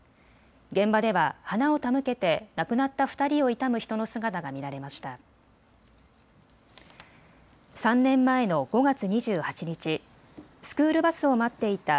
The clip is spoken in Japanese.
現場では花を手向けて亡くなった２人を悼む人の姿が見られました。